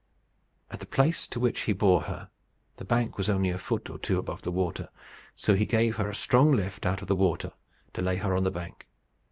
At the place to which he bore her, the bank was only a foot or two above the water, so he gave her a strong lift out of the water, to lay her on the bank.